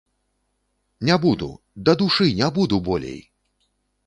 Не буду, дадушы, не буду болей!